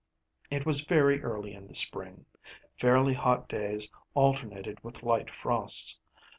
It was very early in the spring. Fairly hot days alternated with light frosts.